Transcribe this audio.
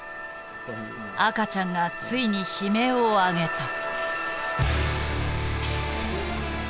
赤ちゃんがついに悲鳴を上げた。